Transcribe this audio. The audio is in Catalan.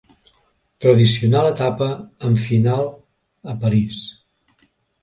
Tradicional etapa amb final a París.